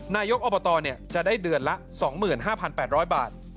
นายกอบตจะได้เดือนละ๒๕๘๐๐บาท